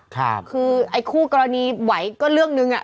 คือไอ้คู่กรณีไหวก็เรื่องนึงอ่ะ